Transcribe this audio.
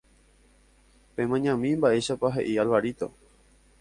Pemañami mba'éichapa he'i Alvarito